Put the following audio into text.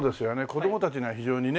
子供たちには非常にね。